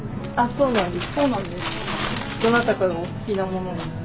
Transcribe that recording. そうなんです。